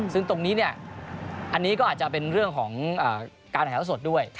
ซึ่งตรงนี้เนี่ยอันนี้ก็อาจจะเป็นเรื่องของการถ่ายเท้าสดด้วย